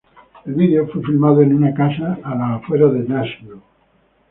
El video fue filmado en una casa a las afueras de Nashville.